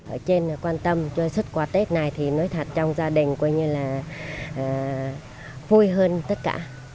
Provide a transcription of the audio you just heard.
ở trên quan tâm cho xuất quà tết này thì nói thật trong gia đình coi như là vui hơn tất cả